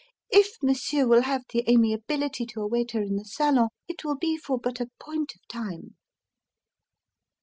If M'sieu' will have the amiability to await her in the salon, it will be for but a point of time!"